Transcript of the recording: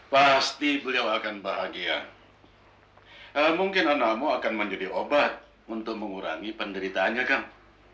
pasti beliau akan bahagia mungkin anamo akan menjadi obat untuk mengurangi penderitaannya kang